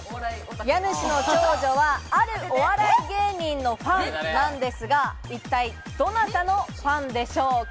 家主の長女はあるお笑い芸人のファンなんですが、一体どなたのファンでしょうか？